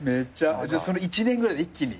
その１年ぐらいで一気に？